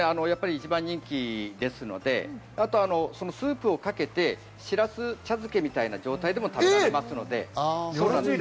一番人気ですので、あとスープをかけて、しらす茶漬けみたいな状態でも食べていただけます。